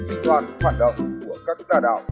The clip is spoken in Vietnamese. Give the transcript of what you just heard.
dịch toàn hoạt động của các đa đạo